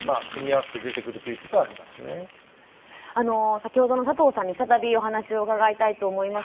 先ほどの佐藤さんに再びお話を伺いたいと思います。